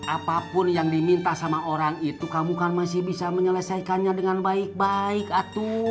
apapun yang diminta sama orang itu kamu kan masih bisa menyelesaikannya dengan baik baik atu